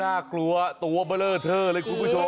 น่ากลัวตัวเบลอเทอร์เลยคุณผู้ชม